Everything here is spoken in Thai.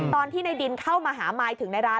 ตอนที่ในดินเข้ามาหามายถึงในร้าน